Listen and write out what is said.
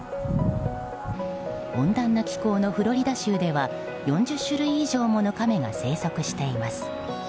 温暖な気候のフロリダ州では４０種類以上のカメが生息しています。